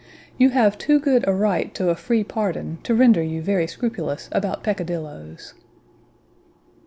You have too good a right to a free pardon, to render you very scrupulous about peccadilloes."